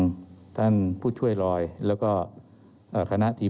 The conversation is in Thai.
เรามีการปิดบันทึกจับกลุ่มเขาหรือหลังเกิดเหตุแล้วเนี่ย